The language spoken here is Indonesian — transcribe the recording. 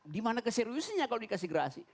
dimana keseriusannya kalau dikasih grasi